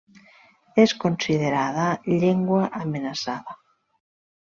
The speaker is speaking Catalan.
És considerada llengua amenaçada.